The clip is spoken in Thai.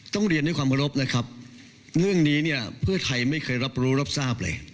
เรียนด้วยความเคารพนะครับเรื่องนี้เนี่ยเพื่อไทยไม่เคยรับรู้รับทราบเลย